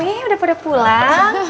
ini udah pada pulang